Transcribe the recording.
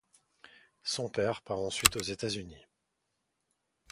Son père part ensuite aux États-Unis.